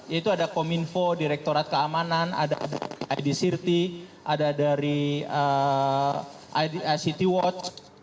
yaitu ada kominfo direktorat keamanan ada id city ada dari city watch